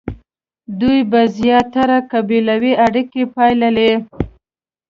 دوی به زیاتره قبیلوي اړیکې پاللې.